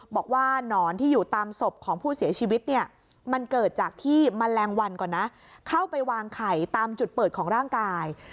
บอกว่าหนอนที่อยู่ตามศพของผู้เสียชีวิตเนี่ยมันเกิดจากที่แมลงวันก่อนนะเข้าไปวางไข่ตามจุดเปิดของร่างกาย